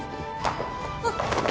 あっ。